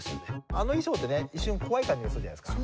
あの衣装ってね一瞬怖い感じがするじゃないですか。